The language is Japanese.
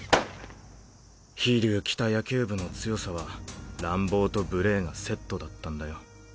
飛竜北野球部の強さは乱暴と無礼がセットだったんだよ。